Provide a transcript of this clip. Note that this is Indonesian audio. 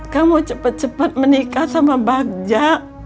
kamu cepat cepat menikah sama bagja